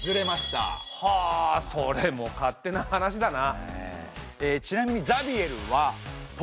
はあそれも勝手な話だな。